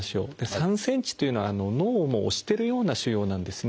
３ｃｍというのは脳をもう押してるような腫瘍なんですね。